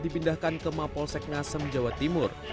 dipindahkan ke mapolsek ngasem jawa timur